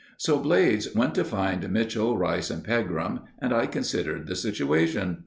So Blades went to find Mitchell, Rice, and Pegram, and I considered the situation.